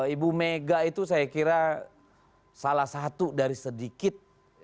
ibu mega itu saya kira salah satu dari sedikit